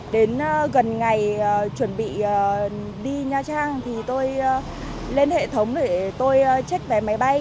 đến gần ngày chuẩn bị đi nha trang thì tôi lên hệ thống để tôi check vé máy bay